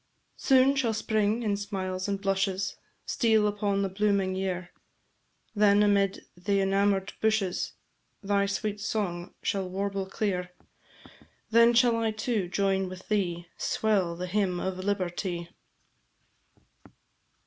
Soon shall Spring, in smiles and blushes, Steal upon the blooming year; Then, amid the enamour'd bushes, Thy sweet song shall warble clear: Then shall I, too, join with thee Swell the hymn of Liberty.